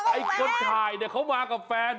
ไอ้ก็ดไทเนี่ยเขามากับแฟน